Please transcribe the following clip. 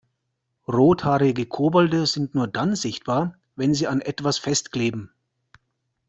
Rothaarige Kobolde sind nur dann sichtbar, wenn sie an etwas festkleben.